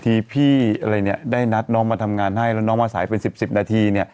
พี่อะไรเนี่ยได้นัดน้องมาทำงานให้แล้วน้องมาสายเป็น๑๐นาทีเนี่ย